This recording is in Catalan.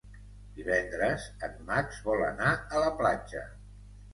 Divendres en Max vol anar a la platja.